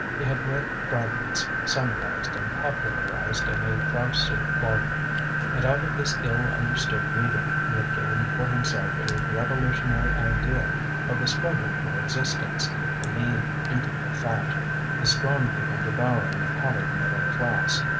He had read fragments, summarized and popularized in a five sou volume; and out of this ill understood reading he had gained for himself a revolutionary idea of the struggle for existence, the lean eating the fat, the strong people devouring the pallid middle class.